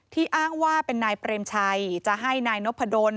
อ้างว่าเป็นนายเปรมชัยจะให้นายนพดล